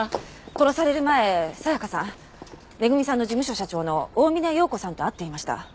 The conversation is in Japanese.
殺される前紗香さん恵さんの事務所社長の大峰洋子さんと会っていました。